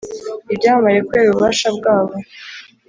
ibyamamare kubera ububasha bwabo.